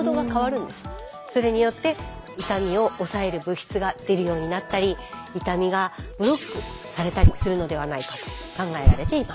それによって痛みを抑える物質が出るようになったり痛みがブロックされたりするのではないかと考えられています。